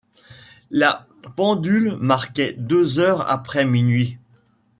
La pendule marquait deux heures après minuit.